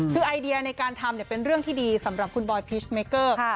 คือไอเดียในการทำเป็นเรื่องที่ดีสำหรับคุณบอยพีชเมเกอร์